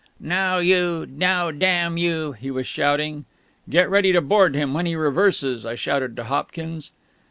"Now ... you!... Now, damn you!..." he was shouting. "Get ready to board him when he reverses!" I shouted to Hopkins.